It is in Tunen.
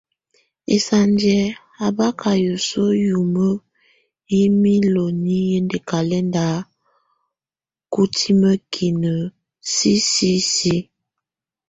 Hésanjɛ abaka yəsuə yumə yɛ miloni yʼɛndɛkalɛnda kutiməkinə sisi sis.